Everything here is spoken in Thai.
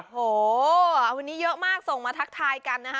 โอ้โหวันนี้เยอะมากส่งมาทักทายกันนะฮะ